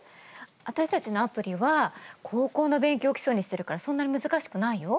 私たちのアプリは高校の勉強を基礎にしてるからそんなに難しくないよ。